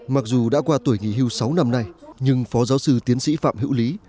mặc dù đã qua tuổi nghỉ hưu sáu năm nay nhưng phó giáo sư tiến sĩ phạm hữu lý